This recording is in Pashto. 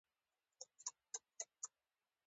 بادي انرژي د افغان ځوانانو لپاره دلچسپي لري.